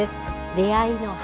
出会いの春。